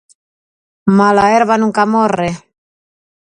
Mala herba nunca morre!